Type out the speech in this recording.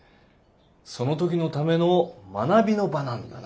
その時のための学びの場なんだな